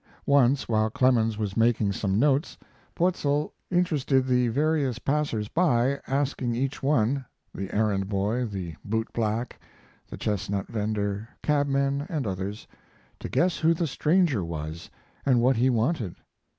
Once while Clemens was making some notes, Poetzl interested the various passers by asking each one the errand boy, the boot black, the chestnut vender, cabmen, and others to guess who the stranger was and what he wanted.